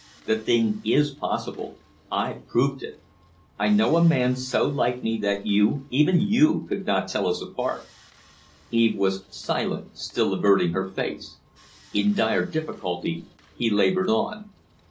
The thing is possible I've proved it. I know a man so like me that you, even you, could not tell us apart." Eve was silent, still averting her face. In dire difficulty he labored on.